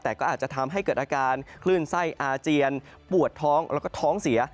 แต่ก็อาจจะทำให้เกิดอาการคลื่นไส้อาเจียนปวดท้องแล้วก็ท้องเสีย